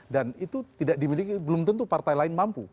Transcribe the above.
dan itu tidak dimiliki belum tentu partai lain mampu